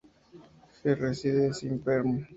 He resides in Perm.